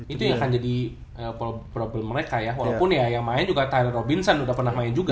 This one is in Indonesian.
itu yang akan jadi problem mereka ya walaupun ya yang main juga thailand robinson udah pernah main juga